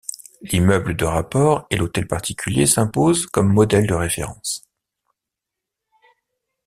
L'immeuble de rapport et l'hôtel particulier s'imposent comme modèles de référence.